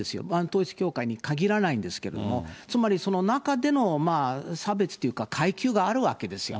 統一教会に限らないんですけれども、つまりその中での差別というか階級があるわけですよ。